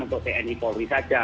untuk tni polri saja